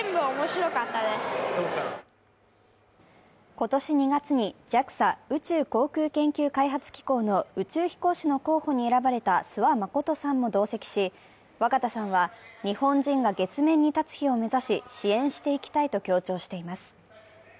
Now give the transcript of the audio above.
今年２月にＪＡＸＡ＝宇宙航空研究開発機構の宇宙飛行士の候補に選ばれた諏訪理さんも同席し若田さんは、日本人が月面に立つ日を目指し、支援していきたいと強調しています。